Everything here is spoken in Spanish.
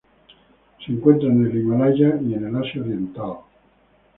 Se encuentra en el Himalaya y el Asia Oriental.